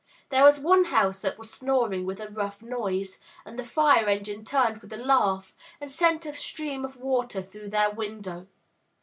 There was one house that was snoring with a rough noise, and the fire engine turned with a laugh and sent a stream of water through the window.